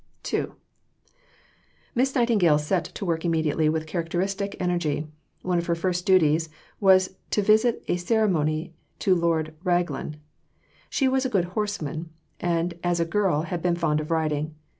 II Miss Nightingale set to work immediately, and with characteristic energy. One of her first duties was a visit of ceremony to Lord Raglan. She was a good horsewoman, and as a girl had been fond of riding.